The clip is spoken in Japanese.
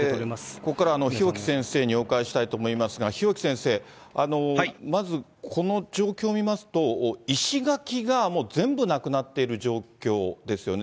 ここからは日置先生にお伺いしたいと思いますが、日置先生、まずこの状況を見ますと、石垣が全部なくなっている状況ですよね。